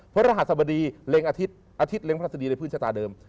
พระรหัสบดีเล็งอาทิตย์อาทิตย์เล็งพระราชดีในพื้นชะตาเดิม